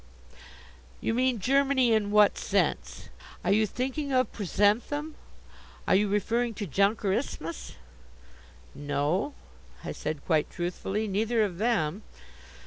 "You mean Germany in what sense? Are you thinking of Preuszenthum? Are you referring to Junkerismus?" "No," I said, quite truthfully, "neither of them."